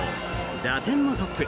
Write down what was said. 打点もトップ。